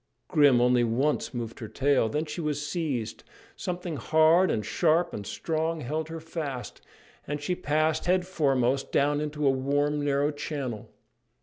Grim only once moved her tail. Then she was seized, something hard and sharp and strong held her fast, and she passed head foremost down into a warm, narrow channel.